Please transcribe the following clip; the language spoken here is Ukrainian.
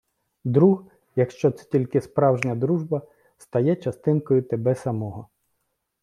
Друг — якщо це тільки справжня дружба -— стає частинкою тебе самого.